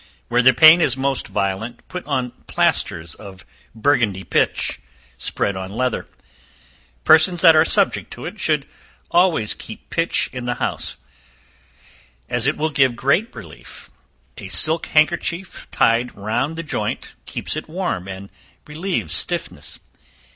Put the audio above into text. Where the pain is most violent, put on plasters of Burgundy pitch, spread on leather. Persons that are subject to it, should always keep pitch in the house to use, as it will give relief; a silk handkerchief tied round the joint, keeps it warm and relieves stiffness.